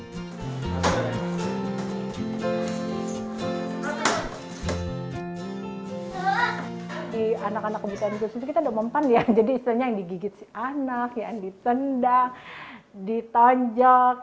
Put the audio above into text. di anak anak kebutuhan khusus itu kita meman yang jadi istrinya yang diigit si anak ya di cendang di tonjok